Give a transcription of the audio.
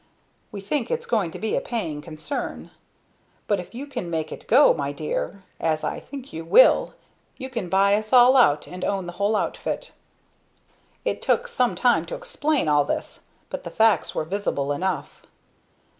We think it's going to be a paying concern. But if you can make it go, my dear, as I think you will, you can buy us all out and own the whole outfit!" It took some time to explain all this, but the facts were visible enough.